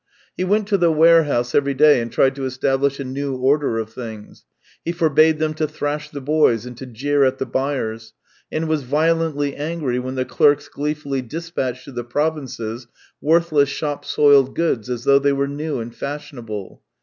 He went to the warehouse every day and tried to establish a new order of things; he forbade them to thrash the boys and to jeer at the buyers, and was violently angry when the clerks gleefully dispatched to the provinces worthless shop soiled goods as though they were new and fashionable.